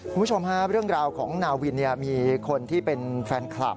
คุณผู้ชมฮะเรื่องราวของนาวินมีคนที่เป็นแฟนคลับ